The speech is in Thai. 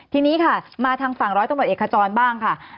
ทีนี้มาทางฝั่งร้อยต้นเบิดเอกจรบ้าง